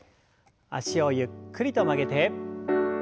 脚をゆっくりと曲げて。